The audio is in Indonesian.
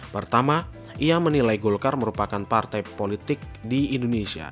pertama ia menilai golkar merupakan partai politik di indonesia